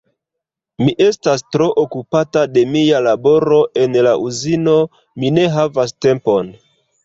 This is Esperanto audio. Mi estas tro okupata de mia laboro en la Uzino, mi ne havas tempon...